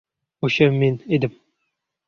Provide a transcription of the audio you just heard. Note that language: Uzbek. — O‘sha men edim!